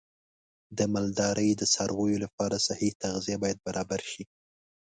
د مالدارۍ د څارویو لپاره صحي تغذیه باید برابر شي.